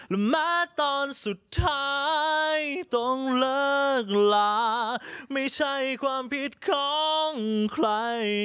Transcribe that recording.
และแม้ตอนสุดท้ายต้องเลิกลาไม่ใช่ความผิดของใคร